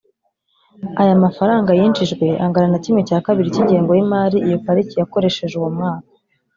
Aya mafaranga yinjijwe angana na kimwe cya kabiri cy’ingengo y’imari iyo pariki yakoresheje uwo mwaka